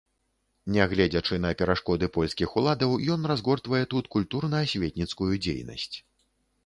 Нягледзячы на перашкоды польскіх уладаў, ён разгортвае тут культурна-асветніцкую дзейнасць.